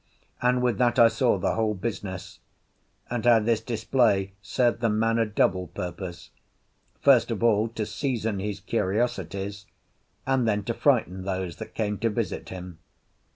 And with that I saw the whole business, and how this display served the man a double purpose: first of all, to season his curiosities, and then to frighten those that came to visit him.